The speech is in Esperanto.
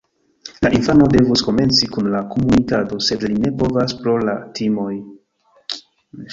La infano devus komenci kun la komunikado, sed li ne povas pro la timoj.